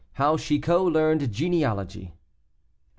HOW CHICOT LEARNED GENEALOGY.